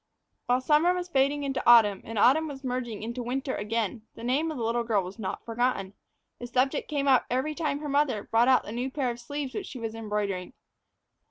While summer was fading into autumn, and autumn was merging into winter again, the naming of the little girl was not forgotten. The subject came up every time her mother brought out the new pair of sleeves which she was embroidering.